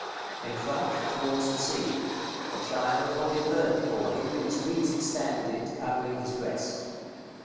In front, towards the Sea. A child holding a bird before him, with its wings expanded, covering his breast.